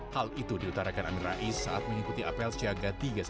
hal itu diutarakan amin rais saat mengikuti apel siaga tiga ratus dua belas